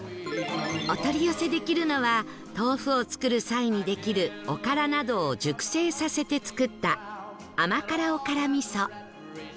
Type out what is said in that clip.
お取り寄せできるのは豆腐を作る際にできるおからなどを熟成させて作った甘辛おから味噌